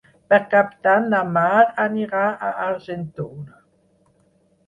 Per Cap d'Any na Mar anirà a Argentona.